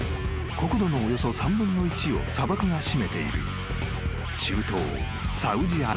［国土のおよそ３分の１を砂漠が占めている中東］